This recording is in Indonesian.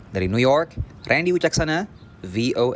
dari new york randy wujaksana vos